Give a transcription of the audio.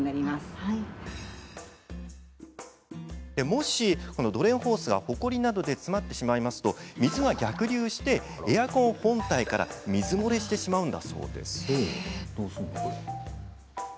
もし、ドレンホースがほこりなどで詰まってしまうと水が逆流してエアコン本体から水漏れしてしまうのだそうです。